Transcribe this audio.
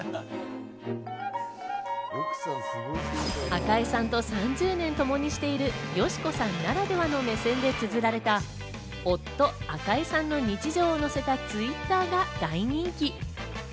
赤井さんと３０年ともにしている佳子さんならではの目線で綴られた夫・赤井さんの日常を載せたＴｗｉｔｔｅｒが大人気。